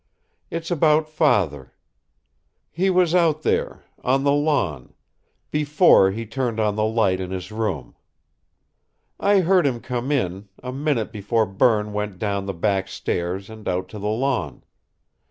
"It's about father. He was out there on the lawn before he turned on the light in his room. I heard him come in, a minute before Berne went down the back stairs and out to the lawn.